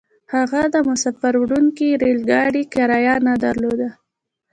هغه د مساپر وړونکي ريل ګاډي کرايه نه درلوده.